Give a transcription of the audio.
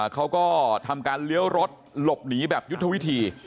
เขาก็ทำการเลี้ยวรถหลบหนีแบบยุทธวิธี